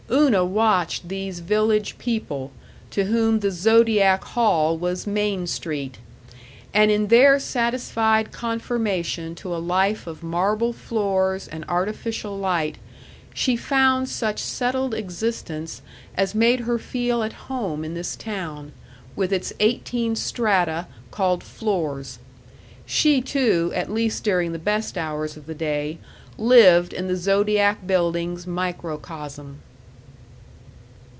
Una watched these village people, to whom the Zodiac hall was Main Street, and in their satisfied conformation to a life of marble floors and artificial light she found such settled existence as made her feel at home in this town, with its eighteen strata called floors. She, too, at least during the best hours of the day, lived in the Zodiac Building's microcosm.